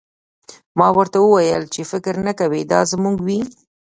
ما ورته وویل چې فکر نه کوم دا زموږ وي